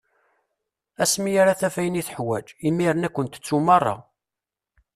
Asmi ara taf ayen i tuḥwaǧ, imir-nni ad ken-tettu meṛṛa.